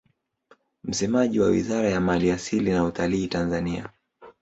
Msemaji wa Wizara ya mali asili na utalii Tanzania